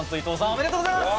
おめでとうございます！